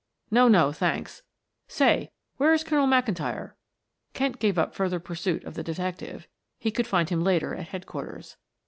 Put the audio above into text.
"No, no, thanks. Say, where is Colonel McIntyre?" Kent gave up further pursuit of the detective, he could find him later at Headquarters.